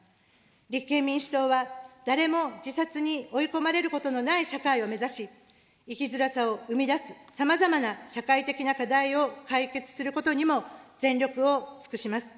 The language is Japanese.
立憲民主党は誰も自殺に追い込まれることのない社会を目指し、生きづらさを生み出すさまざまな社会的な課題を解決することにも全力を尽くします。